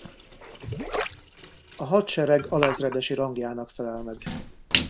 A hadsereg alezredesi rangjának felel meg.